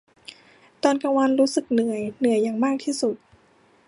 ตอนกลางวันรู้สึกเหนื่อย เหนื่อยอย่างมากที่สุด